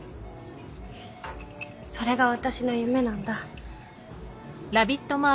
それが私の夢なんだ。